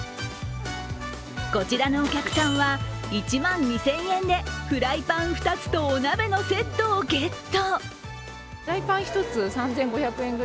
こちらのお客さんは１万２０００円でフライパン２つとお鍋のセットをゲット。